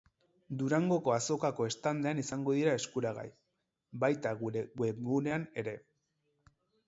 Durangoko Azokako standean izango dira eskuragai, baita gure webgunean ere.